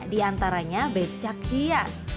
di antaranya becak hias